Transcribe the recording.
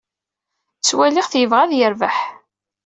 Ttwaliɣ-t yebɣa ad yerbeḥ.